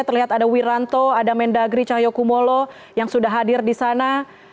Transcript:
terlihat ada wiranto ada mendagri cahyokumolo yang sudah hadir di sana